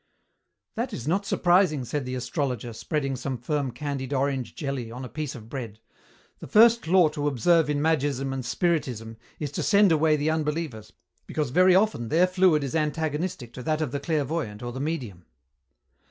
"That is not surprising," said the astrologer, spreading some firm candied orange jelly on a piece of bread, "the first law to observe in magism and Spiritism is to send away the unbelievers, because very often their fluid is antagonistic to that of the clairvoyant or the medium."